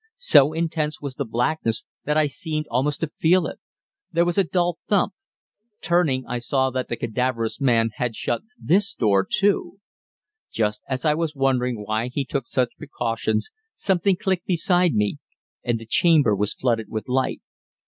So intense was the blackness that I seemed almost to feel it. There was a dull thump. Turning, I saw that the cadaverous man had shut this door too. Just as I was wondering why he took such precautions something clicked beside me, and the chamber was flooded with light.